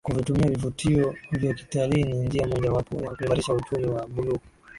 kuvitumia vivutio vya kitalii ni njia moja wapo ya kuimarisha uchumi wa Buluu